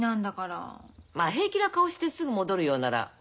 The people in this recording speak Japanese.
まあ平気な顔してすぐ戻るようならほれ直すけど。